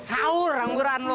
saur rangguran lu